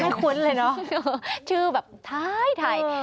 ไม่คุ้นเลยเนอะชื่อแบบไทย